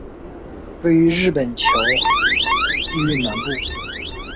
位于日本桥地域南部。